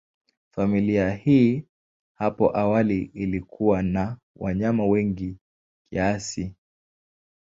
Familia hii hapo awali ilikuwa na wanyama wengi kiasi.